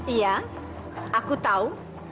iya aku tahu